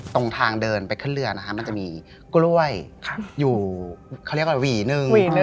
ตรงทางเดินไปขึ้นเรือนะคะมันจะมีกล้วยอยู่เขาเรียกว่าหวีหนึ่ง